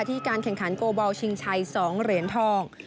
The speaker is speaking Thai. การแข่งขันโกบอลชิงชัย๒เหรียญทอง